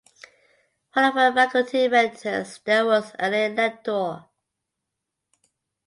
One of her faculty mentors there was Alain Latour.